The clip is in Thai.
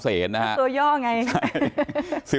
ตัวย่อไง